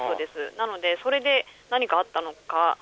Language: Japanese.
なので、それで何かあったのかと。